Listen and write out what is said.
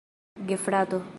gefrato